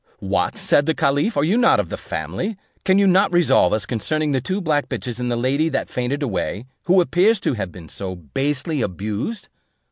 "What," said the caliph, "are you not of the family? Can you not resolve us concerning the two black bitches and the lady that fainted away, who appears to have been so basely abused?"